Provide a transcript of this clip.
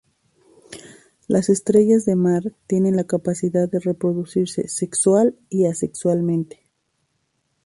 Las estrellas de mar tienen la capacidad de reproducirse sexual y asexualmente.